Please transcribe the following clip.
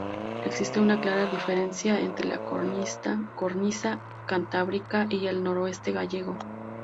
Existe una clara diferencia entre la cornisa cantábrica y el noroeste gallego.